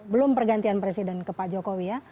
belum pergantian presiden ke pak jokowi ya